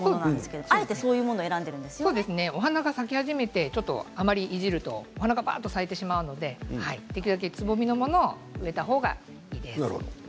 あえてそういうものをお花が咲き始めてあまりいじるとお花がばっと咲いてしまうのでできるだけつぼみのものを植えた方がいいです。